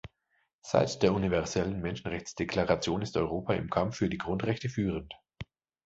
Seit der Universellen Menschenrechtsdeklaration ist Europa im Kampf für die Grundrechte führend.